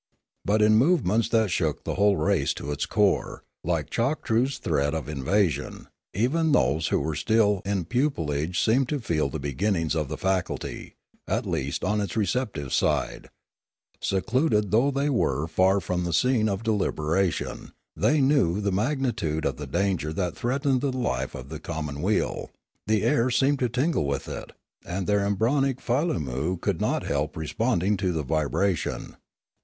But in movements that shook the whole race to its core, like Choktroo's threat of invasion, even those who were still in pupillage seemed to feel the beginnings of the faculty, at least on its receptive side; secluded though they were far from the scene of deliberation, they knew the magni tude of the danger that threatened the life of the com monweal ; the air seemed to tingle with it, and their embryonic filammu could not help responding to the vibration.